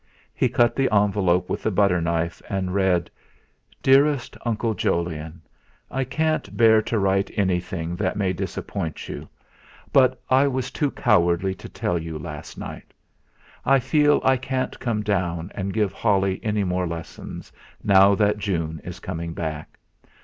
He cut the envelope with the butter knife, and read: "DEAREST UNCLE JOLYON, I can't bear to write anything that may disappoint you, but I was too cowardly to tell you last night. I feel I can't come down and give Holly any more lessons, now that June is coming back.